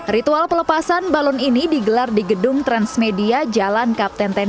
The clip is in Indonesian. ritual pelepasan balon ini digelar di gedung transmedia jalan kapten tenun